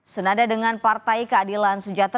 senada dengan partai keadilan sejahtera